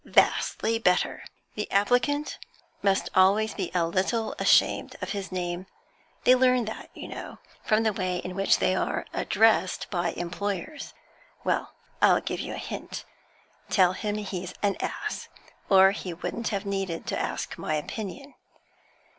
'Vastly better. The applicant must always be a little ashamed of his name; they learn that, you know, from the way in which they are addressed by employers. Well, I'll give you a hint. Tell him he's an ass, or he wouldn't have needed to ask my opinion.'